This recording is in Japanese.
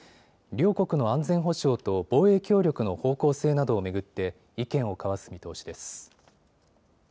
両国の安全保障と防衛協力の方向性などを巡って意見を交わす見通しです。